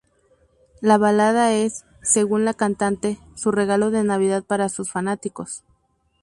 La balada es, según la cantante, su regalo de Navidad para sus fanáticos.